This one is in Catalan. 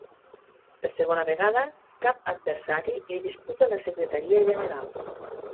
Per segona vegada, cap adversari li disputa la Secretaria General.